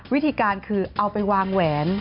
วิธีการคือเอาไปวางแหวน